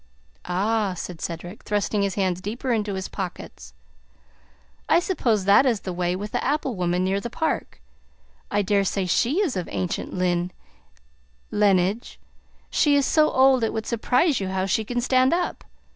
"Ah!" said Cedric, thrusting his hands deeper into his pockets. "I suppose that is the way with the apple woman near the park. I dare say she is of ancient lin lenage. She is so old it would surprise you how she can stand up.